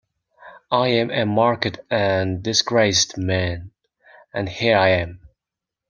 I am a marked and disgraced man, and here I am.